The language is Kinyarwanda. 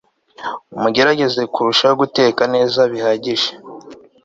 Mugerageze kurushaho guteka neza bihagije